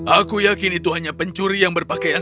aku yakin itu hanya pencuri yang berpakaian